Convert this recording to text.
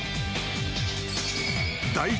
第１